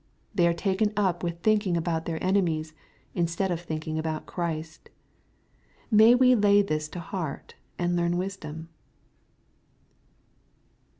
They are taken up with thinking about their enemies, instead of thinking about Christ. May we lay this to heart, and learn wisdom.